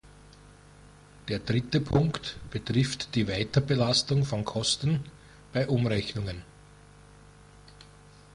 Der dritte Punkt betrifft die Weiterbelastung von Kosten bei Umrechnungen.